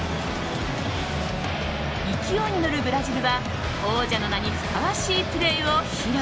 勢いに乗るブラジルは王者の名にふさわしいプレーを披露。